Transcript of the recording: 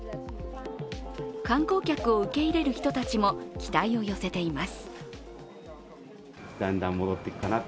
観光客を受け入れる人たちも期待を寄せています。